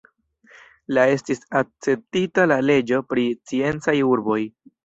La estis akceptita la leĝo pri sciencaj urboj.